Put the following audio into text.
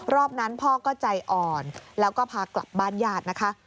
รอบนั้นพ่อก็ใจอ่อนแล้วก็พากลับบ้านญาตินะคะ